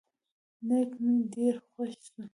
نايک مې ډېر خوښ سو.